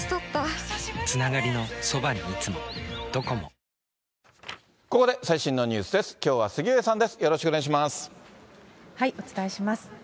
ここで最新のニュースです。